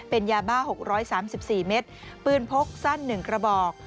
เป็นยาบ้า๖๓๔เมตรปืนพกสั้น๑กระบอก